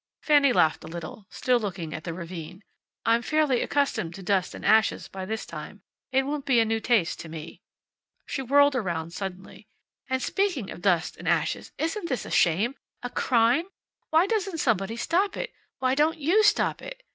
Fanny laughed a little, still looking down at the ravine. "I'm fairly accustomed to dust and ashes by this time. It won't be a new taste to me." She whirled around suddenly. "And speaking of dust and ashes, isn't this a shame? A crime? Why doesn't somebody stop it? Why don't you stop it?"